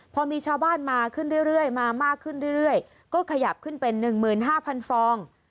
พอมีชาวบ้านมาขึ้นเรื่อยเรื่อยมามากขึ้นเรื่อยเรื่อยก็ขยับขึ้นเป็นหนึ่งหมื่นห้าพันฟอง